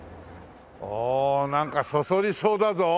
おおなんかそそりそうだぞ。